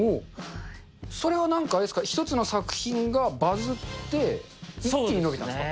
それはなんかあれですか、１つの作品がバズって、一気に伸びたんですか。